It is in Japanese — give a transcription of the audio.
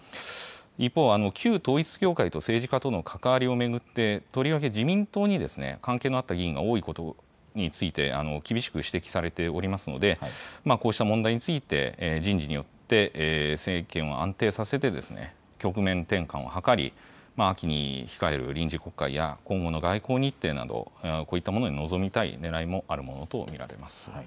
一方、旧統一教会と政治家との関わりを巡って、とりわけ自民党に関係のあった議員が多いことについて厳しく指摘されておりますので、こうした問題について人事によって政権を安定させて、局面転換を図り、秋に控える臨時国会や、今後の外交日程など、こういったものに臨みたいねらいもあるものと見られます。